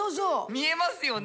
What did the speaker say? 見えますよね。